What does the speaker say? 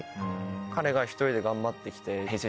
彼が１人で頑張って来てＨｅｙ！